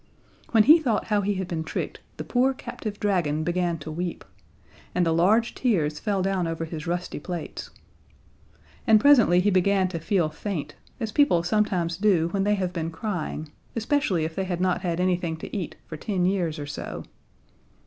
When he thought how he had been tricked, the poor captive dragon began to weep and the large tears fell down over his rusty plates. And presently he began to feel faint, as people sometimes do when they have been crying, especially if they have not had anything to eat for ten years or so.